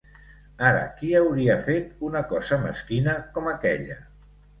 Ara qui hauria fet una cosa mesquina com aquella?